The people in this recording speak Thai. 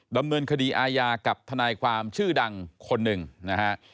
ดำเนินคดีอาญากับทนายความชื่อดังคนหนึ่งนะฮะ